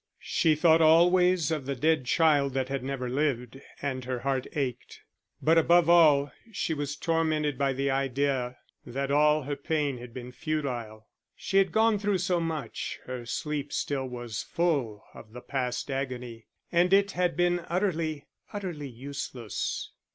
She thought always of the dead child that had never lived, and her heart ached. But above all she was tormented by the idea that all her pain had been futile; she had gone through so much, her sleep still was full of the past agony, and it had been utterly, utterly useless.